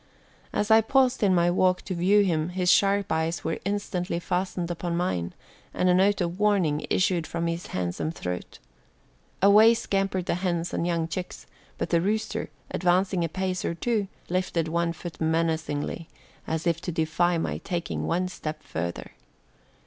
As I paused in my walk to view him his sharp eyes were instantly fastened upon mine and a note of warning issued from his handsome throat. Away scampered the hens and young chicks, but the rooster, advancing a pace or two, lifted one foot menacingly, as if to defy my taking one step further.